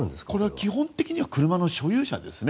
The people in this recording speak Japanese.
基本的には車の所有者ですね。